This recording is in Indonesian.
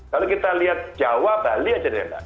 kalau kita lihat jawa bali saja mbak